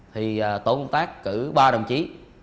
thì tổ công tác cử ba đồng chí